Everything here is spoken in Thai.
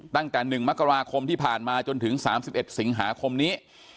ตั้งแต่๑มกราคมที่ผ่านมาจนถึง๓๑สิงหาคมนี้